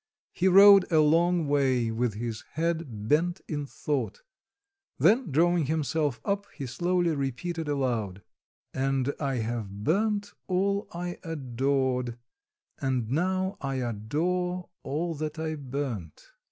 He rode a long way with his head bent in thought, then drawing himself up, he slowly repeated aloud: "And I have burnt all I adored, And now I adore all that I burnt."